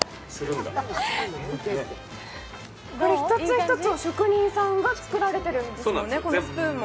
一つ一つを職人さんが作られてるんですね、このスプーンも。